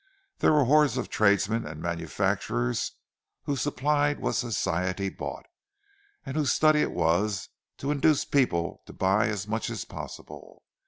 There were hordes of tradesmen and manufacturers who supplied what Society bought, and whose study it was to induce people to buy as much as possible.